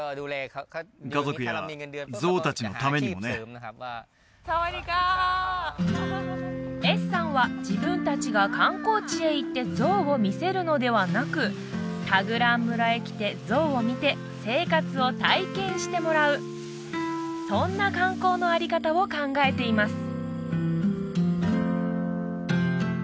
家族やゾウ達のためにもねサワディーカーエスさんは自分達が観光地へ行ってゾウを見せるのではなくタグラーン村へ来てゾウを見て生活を体験してもらうそんな観光のあり方を考えています